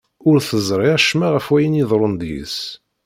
Ur teẓri acemma ɣef wayen iḍerrun deg-s.